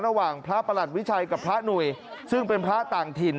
ระหว่างพระประหลัดวิชัยกับพระหนุ่ยซึ่งเป็นพระต่างถิ่น